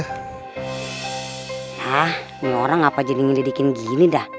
hah nih orang apa aja nih ngelidikin gini dah